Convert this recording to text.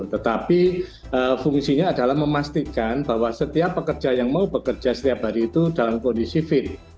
tetapi fungsinya adalah memastikan bahwa setiap pekerja yang mau bekerja setiap hari itu dalam kondisi fit